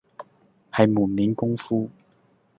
係門面功夫